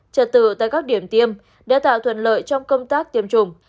trật tự tại các điểm tiêm đã tạo thuận lợi trong công tác tiêm chủng